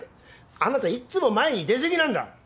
あなたいっつも前に出過ぎなんだ！